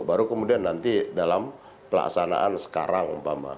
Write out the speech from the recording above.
baru kemudian nanti dalam pelaksanaan sekarang umpama